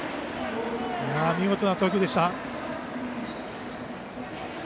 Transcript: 見事な投球でした。